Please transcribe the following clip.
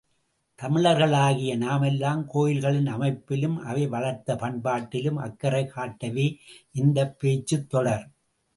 தமிழர்களாகிய நாமெல்லாம் கோயில்களின் அமைப்பிலும் அவை வளர்த்த பண்பாட்டிலும் அக்கறை காட்டவே இந்தப் பேச்சுத் தொடர்.